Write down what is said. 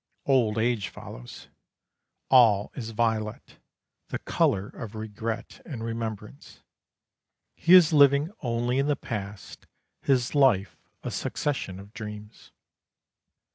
Old age follows. All is violet, the colour of regret and remembrance. He is living only in the past, his life a succession of dreams.